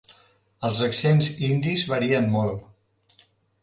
Els accents indis varien molt.